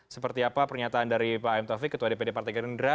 seperti apa pernyataan dari pak m taufik ketua dpd partai gerindra